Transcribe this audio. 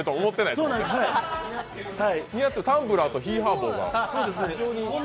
いや、タンブラーとヒーハー帽が非常に。